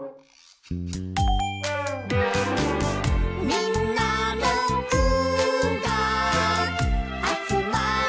「みんなのぐがあつまれば」